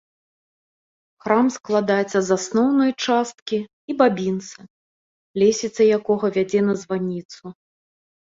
Храм складаецца з асноўнай часткі і бабінца, лесвіца якога вядзе на званіцу.